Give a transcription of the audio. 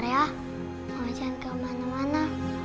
mama jangan kemana mana